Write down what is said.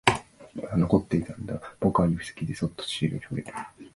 まだ残っていたんだ、僕は指先でそっとシールに触れる